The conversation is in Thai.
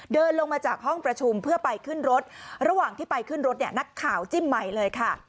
เดินลงมาจากห้องประชุมเพื่อไปขึ้นรถระหว่างที่ไปขึ้นรถเนี่ยนักข่าวจิ้มใหม่เลยค่ะ